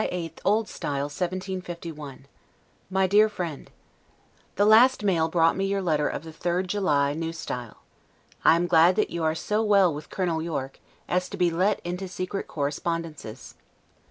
LETTER CLI GREENWICH, July 8, O. S. 1751. MY DEAR FRIEND: The last mail brought me your letter of the 3d July, N. S. I am glad that you are so well with Colonel Yorke, as to be let into secret correspondences.